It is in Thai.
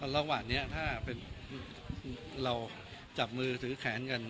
ระหว่างนี้ถ้าเป็นเราจับมือถือแขนกัน